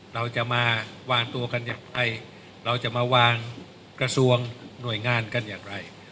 เราจะมาวางตัวกันอย่างไรเราจะมาวางกระทรวงหน่วยงานกันอย่างไร